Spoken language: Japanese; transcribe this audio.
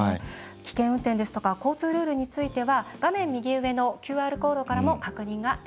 危険運転ですとか交通ルールについては画面右上のＱＲコードからも確認ができます。